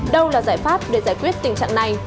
đâu là giải pháp để giải quyết tình trạng này